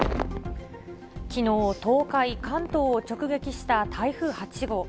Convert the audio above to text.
きのう、東海、関東を直撃した台風８号。